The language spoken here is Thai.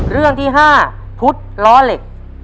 เรื่องที่๕พุทธล้อเหล็ก